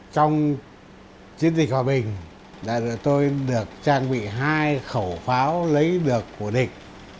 trong chiến dịch hòa bình đại đội tôi được trang bị hai khẩu pháo lấy được của địch